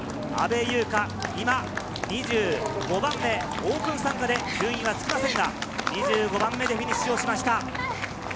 オープン参加で順位はつきませんが、２５番目でフィニッシュしました。